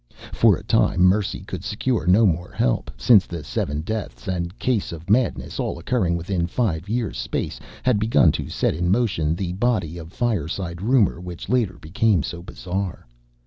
For a time Mercy could secure no more help, since the seven deaths and case of madness, all occurring within five years' space, had begun to set in motion the body of fireside rumor which later became so bizarre.